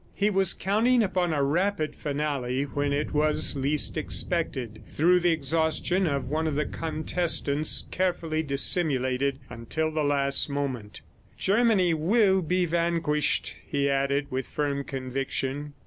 He was counting upon a rapid finale when it was least expected, through the exhaustion of one of the contestants, carefully dissimulated until the last moment. "Germany will be vanquished," he added with firm conviction.